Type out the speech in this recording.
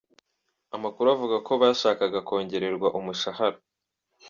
Amakuru avuga ko bashakaga kongererwa umushahara.